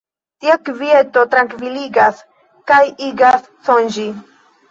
Tia kvieto trankviligas kaj igas sonĝi.